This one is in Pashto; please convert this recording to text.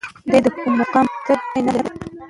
دی د کوم مقام تږی نه دی.